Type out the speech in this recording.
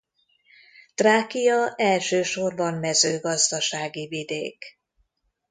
Trákia elsősorban mezőgazdasági vidék.